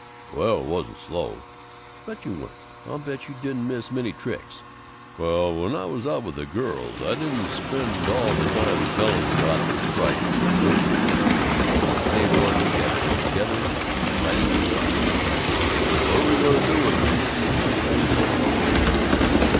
"Well, I wasn't so slow!" "I'll bet you weren't! I'll bet you didn't miss many tricks!" "Well, when I was out with the girls I didn't spend all the time telling 'em about the strike in the knitting industry!" They roared together, and together lighted cigars. "What are we going to do with 'em?" Babbitt consulted.